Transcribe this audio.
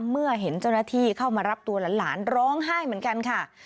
เมื่อเห็นเจ้าหน้าที่เข้ามารับตัวหลานร้องไห้เหมือนกันค่ะ